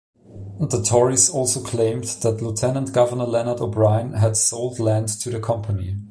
The Tories also claimed that Lieutenant-Governor Leonard O'Brien had sold land to the company.